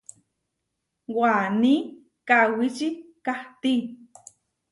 Waní kawíci kahtí.